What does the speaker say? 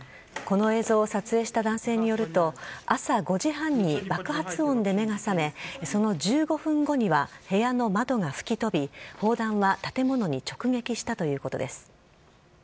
この映像を撮影した男性によると、朝５時半に爆発音で目が覚め、その１５分後には、部屋の窓が吹き飛び、砲弾は建物に直撃したということです。